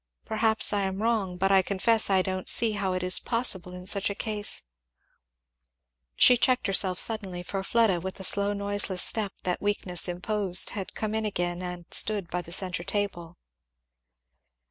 Perhaps I am wrong, but I confess I don't see how it is possible in such a case" She checked herself suddenly, for Fleda with the slow noiseless step that weakness imposed had come in again and stood by the centre table.